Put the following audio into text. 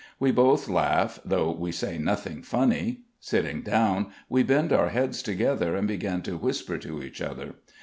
We both laugh, though we say nothing funny. Sitting down, we bend our heads together and begin to whisper to each other.